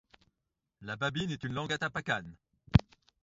Le babine est une langue athapascane.